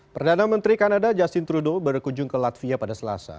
perdana menteri kanada justin trudeau berkunjung ke latvia pada selasa